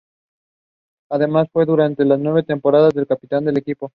Además fue durante las nueve temporadas el capitán del equipo.